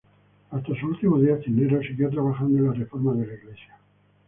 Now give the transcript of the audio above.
Hasta sus último días Cisneros siguió trabajando en la reforma de la Iglesia.